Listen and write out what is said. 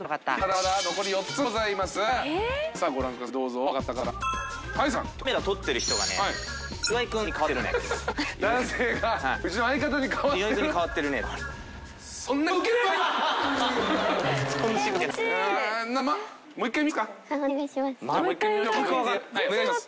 まだ残り４つございます。